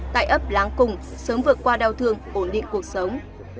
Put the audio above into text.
tại ấp láng cùng sớm vượt qua đau thương ổn định cuộc sống